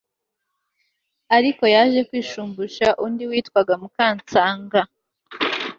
ariko yaje kwishumbusha undi witwaga mukansanga